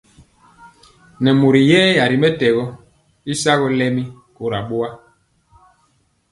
Nɛ mori yɛya ri mɛtɛgɔ y sagɔ lɛmi kora boa.